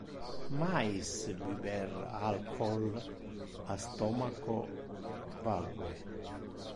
Mais biber alcohol a stomacho vacue!